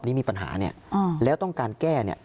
ช่องครอบที่มีปัญหาเนี่ยแล้วต้องการแก้เนี่ย